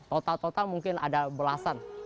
total total mungkin ada belasan